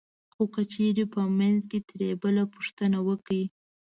خو که چېرې په منځ کې ترې بل پوښتنه وکړي